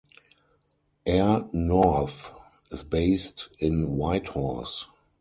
Air North is based in Whitehorse.